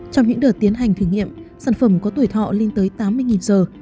trong những đợt tiến hành thử nghiệm sản phẩm có tuổi thọ lên tới tám mươi giờ